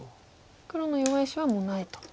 黒の弱い石はもうないと。